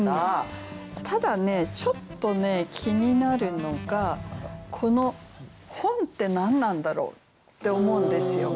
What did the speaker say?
ただねちょっとね気になるのがこの「本」って何なんだろうって思うんですよ。